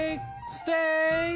ステーキ？